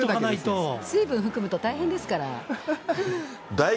水分含むと大変ですから。